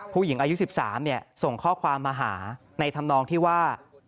ผู้หญิงอายุ๑๓ส่งข้อความมาหาในธรรมนองที่ว่า